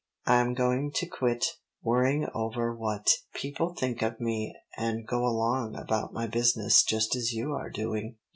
I'm going to quit worrying over what people may think of me and go along about my business just as you are doing.